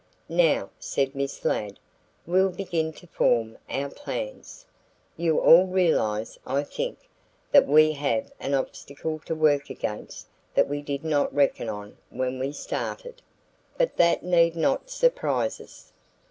"Now," said Miss Ladd, "we'll begin to form our plans. You all realize, I think, that we have an obstacle to work against that we did not reckon on when we started. But that need not surprise us.